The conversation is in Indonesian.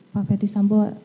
pak ferdis sambu